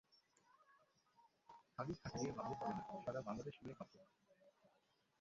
খালি ঢাকা নিয়ে ভাবলে হবে না, সারা বাংলাদেশ নিয়ে ভাবতে হবে।